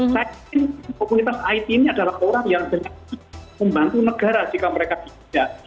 saya yakin komunitas it ini adalah orang yang dengan membantu negara jika mereka tidak